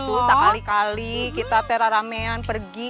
have fun atuh sekali kali kita teraramean pergi